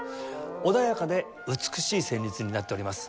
穏やかで美しい旋律になっております。